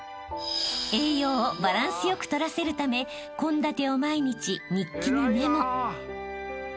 ［栄養をバランス良く取らせるため献立を毎日日記にメモ］